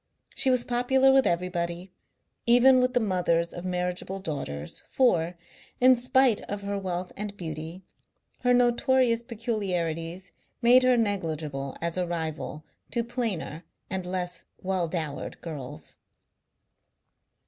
She was popular with everybody, even with the mothers of marriageable daughters, for, in spite of her wealth and beauty, her notorious peculiarities made her negligible as a rival to plainer and less well dowered girls.